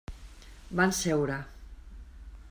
Van seure.